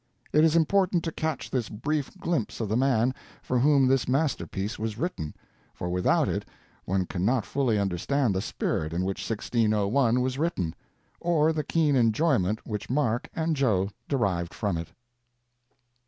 It is important to catch this brief glimpse of the man for whom this masterpiece was written, for without it one can not fully understand the spirit in which 1601 was written, or the keen enjoyment which Mark and "Joe" derived from it.